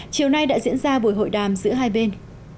chiều nay đã diễn ra buổi hội đàm giữa hai bên